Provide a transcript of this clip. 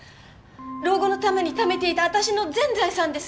老後のためにためていた私の全財産です